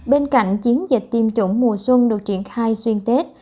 bên cạnh chiến dịch tiêm chủng mùa xuân được triển khai xuyên tết